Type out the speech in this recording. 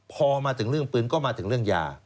พอมาถึงเรื่องปืนก็มาถึงเรื่องยา